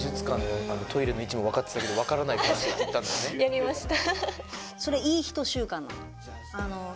やりました。